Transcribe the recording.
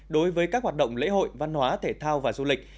đối với các hoạt động lễ hội văn hóa thể thao và du lịch